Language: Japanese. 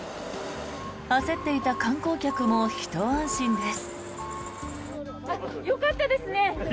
焦っていた観光客もひと安心です。